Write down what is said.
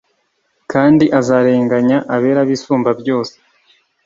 Kandi azarenganya abera b'Isumba byose.